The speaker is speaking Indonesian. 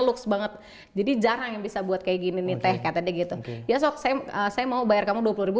lux banget jadi jarang bisa buat kayak gini nih teh katanya gitu ya sok saya saya mau bayar kamu dua puluh ribu